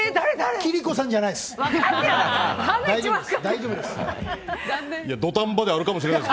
貴理子さんじゃないです！